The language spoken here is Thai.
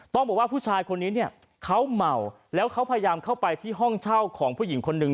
ต้องบอกว่าผู้ชายคนนี้เนี่ยเขาเมาแล้วเขาพยายามเข้าไปที่ห้องเช่าของผู้หญิงคนหนึ่ง